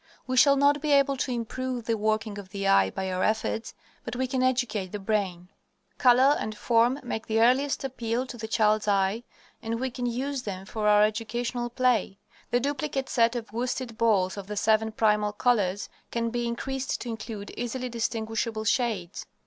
We shall not be able to improve the working of the eye by our efforts, but we can educate the brain. Color and form make the earliest appeal to the child's eyes, and we can use them for our educational play. The duplicate set of worsted balls of the seven primal colors can be increased to include easily distinguishable shades.